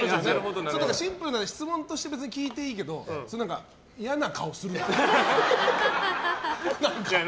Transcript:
シンプルな質問として聞いていいけど嫌な顔するな。